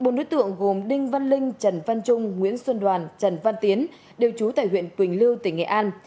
bốn đối tượng gồm đinh văn linh trần văn trung nguyễn xuân đoàn trần văn tiến đều trú tại huyện quỳnh lưu tỉnh nghệ an